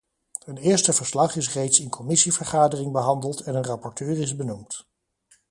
Een eerste verslag is reeds in commissievergadering behandeld en een rapporteur is benoemd.